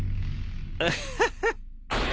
アッハハ。